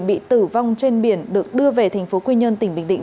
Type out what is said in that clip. bị tử vong trên biển được đưa về thành phố quy nhơn tỉnh bình định